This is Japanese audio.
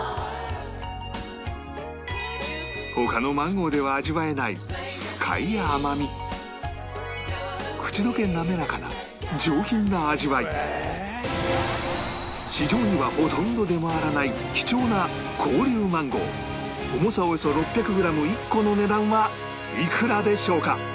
他のマンゴーでは味わえない口どけ滑らかな市場にはほとんど出回らない貴重な紅龍マンゴー重さおよそ６００グラム１個の値段はいくらでしょうか？